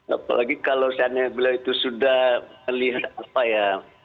apalagi kalau seandainya beliau itu sudah melihat apa ya